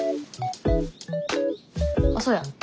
あっそうや。